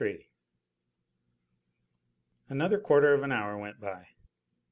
III Another quarter of an hour went by.